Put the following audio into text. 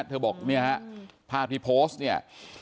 เธอบอกเนี่ยฮะภาพที่โพสต์เนี่ย